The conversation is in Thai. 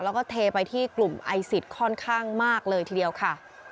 แล้วก็เทไปที่กลุ่มไอซิสค่อนข้างมากเลยทีเดียวค่ะ